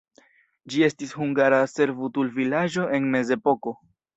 Ĝi estis hungara servutulvilaĝo en mezepoko.